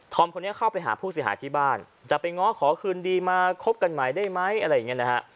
คนนี้เข้าไปหาผู้เสียหายที่บ้านจะไปง้อขอคืนดีมาคบกันใหม่ได้ไหมอะไรอย่างนี้นะฮะ